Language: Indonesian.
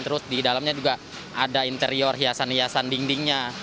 terus di dalamnya juga ada interior hiasan hiasan dindingnya